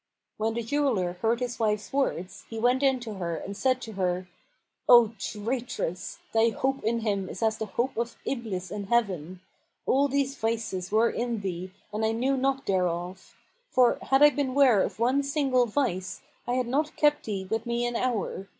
When the jeweller heard his wife's words, he went in to her and said to her, "O traitress, thy hope in him is as the hope of Iblis[FN#469] in Heaven. All these vices were in thee and I knew not thereof; for, had I been ware of one single vice, I had not kept thee with me an hour.